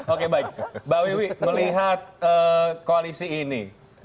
oke baik mbak wiwi melihat koalisi ini